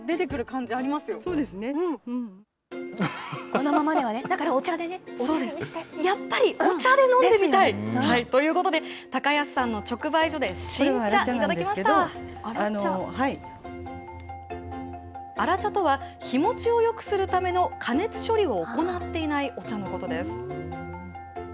このままではね、やっぱりお茶で飲んでみたい。ということで、高安さんの直売所で、荒茶とは、日持ちをよくするための加熱処理を行っていないお茶のことです。